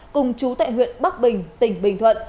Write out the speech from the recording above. cùng chú tệ huyện bắc bình tỉnh bình thuận